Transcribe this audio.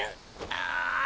ああ。